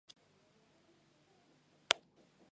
氧化可能经由铁细菌的酶促反应发生。